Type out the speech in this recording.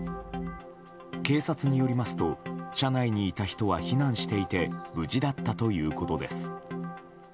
警察によりますと車内にいた人は避難していて無事だったということです。